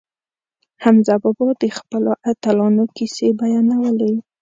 حمزه بابا د خپلو اتلانو کیسې بیانولې.